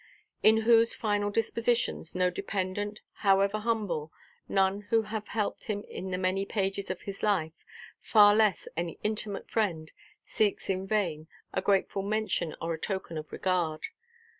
In whose final dispositions, no dependent, however humble, none who have helped him in the many pages of his life, far less any intimate friend, seeks in vain a grateful mention or a token of regard.